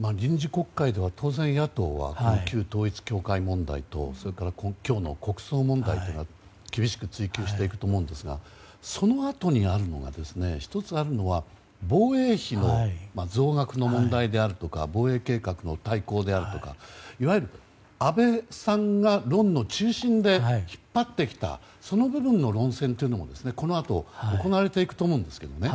臨時国会で当然、野党は旧統一教会問題とそれから今日の国葬問題というのは厳しく追及していくと思うんですが、そのあとに１つあるのは防衛費の増額の問題であるとか防衛計画の大綱であるとかいわゆる安倍さんが論の中心で引っ張ってきたその部分の論戦というのもこのあと、行われていくと思うんですよね。